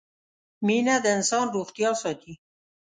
مينه د انسان روغتيا ساتي